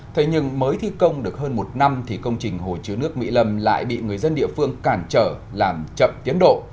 thế nhưng mới thi công được hơn một năm thì công trình hồ chứa nước mỹ lâm lại bị người dân địa phương cản trở làm chậm tiến độ